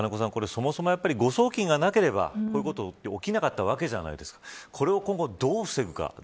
そもそも誤送金がなければこういうことって起きなかったわけじゃないですか。